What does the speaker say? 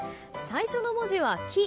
最初の文字は「き」